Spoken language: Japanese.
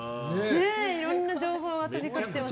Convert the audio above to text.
いろんな情報が飛び交ってました。